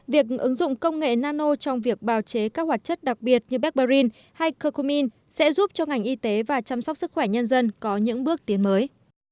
việc ứng dụng công nghệ nano trong việc bào chế các hoạt chất đặc biệt như barbarin hay cocomin sẽ giúp cho ngành y tế và chăm sóc sức khỏe nhân dân có những bước tiến mới